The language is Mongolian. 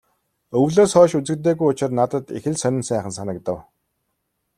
Өвлөөс хойш үзэгдээгүй учир надад их л сонин сайхан санагдав.